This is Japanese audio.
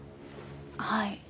はい。